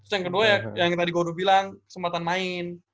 terus yang kedua yang tadi gue udah bilang kesempatan main